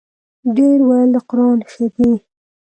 ـ ډېر ویل د قران ښه دی.